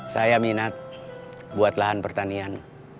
saya minat buat lahan pertanian